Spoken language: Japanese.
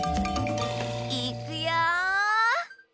いっくよ！